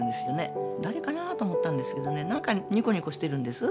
誰かなと思ったんですけどねなんかニコニコしてるんです。